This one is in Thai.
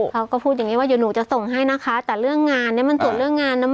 เขาก็พูดอย่างงี้ว่าเดี๋ยวหนูจะส่งให้นะคะแต่เรื่องงานเนี้ยมันส่วนเรื่องงานนะ